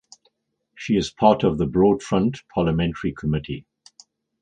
She is part of the Broad Front parliamentary committee.